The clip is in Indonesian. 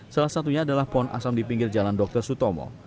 salah satunya adalah pohon asam di pinggir jalan dr sutomo